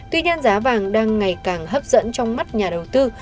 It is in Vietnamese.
tuy nhiên giá vàng đang ngày càng hấp dẫn trong mắt nhà đầu tư